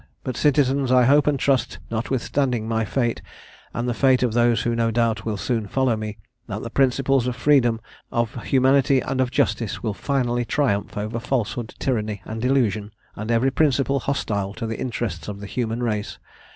But, citizens, I hope and trust, notwithstanding my fate, and the fate of those who no doubt will soon follow me, that the principles of freedom, of humanity, and of justice, will finally triumph over falsehood, tyranny, and delusion, and every principle hostile to the interests of the human race.